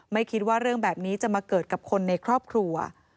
ไม่คิดว่าเรื่องแบบนี้จะมาเกิดกับคนในครอบครัว